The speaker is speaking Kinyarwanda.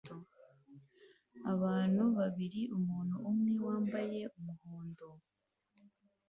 Abantu babiri umuntu umwe wambaye umuhondo